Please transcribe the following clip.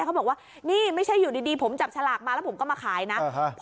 เขาบอกว่านี่ไม่ใช่อยู่ดีผมจับฉลากมาแล้วผมก็มาขายนะ